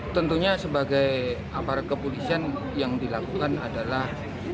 tentunya sebagai aparat kepolisian yang dilakukan adalah